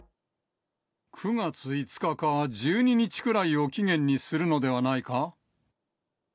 ９月５日か１２日くらいを期限にするのではないか。